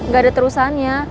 gak ada terusannya